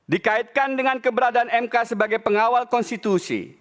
dikaitkan dengan keberadaan mk sebagai pengawal konstitusi